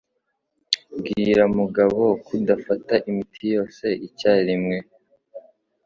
Bwira Mugabo kudafata imiti yose icyarimwe.